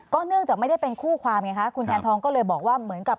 เนื่องจากไม่ได้เป็นคู่ความไงคะคุณแทนทองก็เลยบอกว่าเหมือนกับ